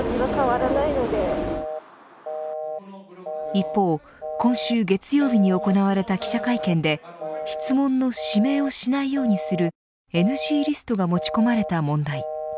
一方、今週月曜日に行われた記者会見で質問の指名をしないようにするＮＧリストが持ち込まれた問題。